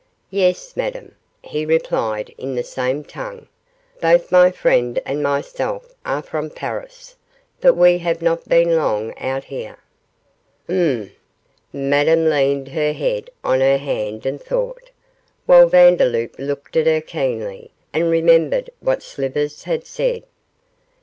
'Yes, Madame,' he replied in the same tongue, 'both my friend and myself are from Paris, but we have not been long out here.' 'Humph,' Madame leaned her head on her hand and thought, while Vandeloup looked at her keenly, and remembered what Slivers had said.